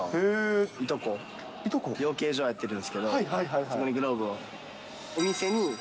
いとこ、養鶏場やってるんですけど、そこにグローブを。